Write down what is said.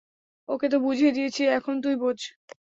ওকে তো বুঝিয়ে দিয়েছি, এখন তুই বোঝ।